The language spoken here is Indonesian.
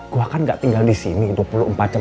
gue kan gak tinggal di sini dua puluh empat jam